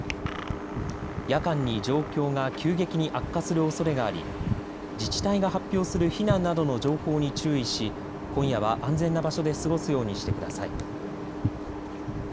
夜間に状況が急激に悪化するおそれがあり自治体が発表する避難などの情報に注意し今夜は安全な場所で過ごすようにしてください。